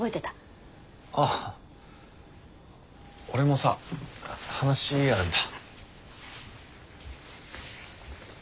あっ俺もさ話あるんだ。